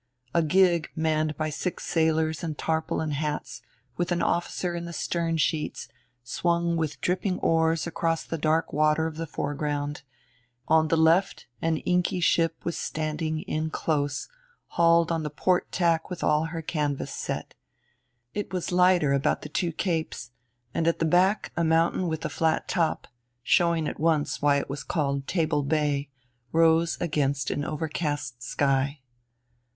A gig manned by six sailors in tarpaulin hats with an officer in the stern sheets swung with dripping oars across the dark water of the foreground; on the left an inky ship was standing in close hauled on the port tack with all her canvas set. It was lighter about the Two Capes, and at the back a mountain with a flat top showing at once why it was called Table Bay rose against an overcast sky.